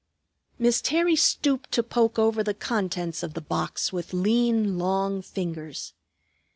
Miss Terry stooped to poke over the contents of the box with lean, long fingers.